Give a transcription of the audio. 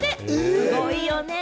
すごいよね。